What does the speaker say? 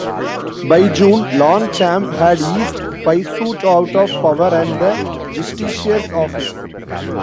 By June, Longchamp had eased Puiset out of power and the justiciar's office.